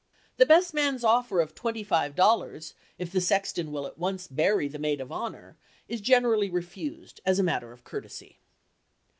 The best man's offer of twenty five dollars, if the sexton will at once bury the maid of honor, is generally refused as a matter of courtesy.